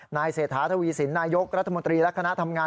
เศรษฐาทวีสินนายกรัฐมนตรีและคณะทำงาน